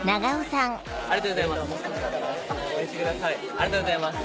ありがとうございます。